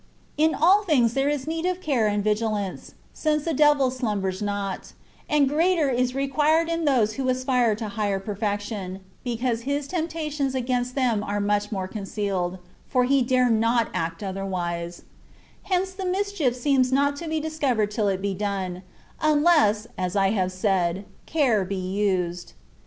In all things there is need of care and vigilance, since the devil slumbers not : and greater is required in those who aspire to higher perfection, because his temp tations against them are much more concealed, for he dare not act otherwise ; hence the mischief seems not to be discovered till it be done, unless (as I have said) care be used.